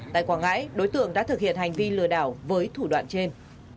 tại quảng ngãi đối tượng đã thực hiện hành vi lừa đảo với thủ đoạn trên